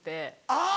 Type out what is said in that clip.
あぁ！